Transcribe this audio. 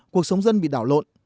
cuộc sống dân bị đảo lộn